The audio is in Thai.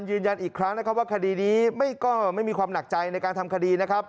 ยืนยันอีกครั้งนะครับว่าคดีนี้ก็ไม่มีความหนักใจในการทำคดีนะครับ